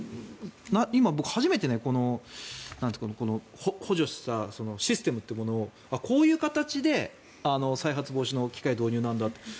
今、僕、初めてこの補助するシステムというのをこういう形で再発防止の機械導入なんだと。